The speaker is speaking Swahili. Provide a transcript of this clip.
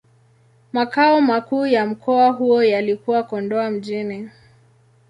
Makao makuu ya mkoa huo yalikuwa Kondoa Mjini.